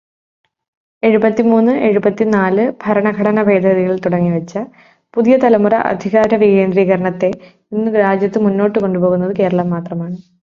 എഴുപത്തിമൂന്ന്, എഴുപത്തിനാല് ഭരണഘടനാ ഭേദഗതികൾ തുടങ്ങിവച്ച പുതിയതലമുറ അധികാരവികേന്ദ്രീകരണത്തെ ഇന്നു രാജ്യത്ത് മുന്നോട്ടു കൊണ്ടുപോകുന്നതു കേരളം മാത്രമാണ്.